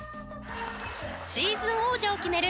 シーズン王者を決める